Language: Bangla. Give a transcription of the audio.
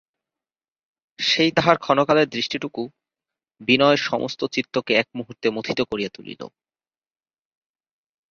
সেই তাহার ক্ষণকালের দৃষ্টিটুকু বিনয়ের সমস্ত চিত্তকে এক মুহূর্তে মথিত করিয়া তুলিল।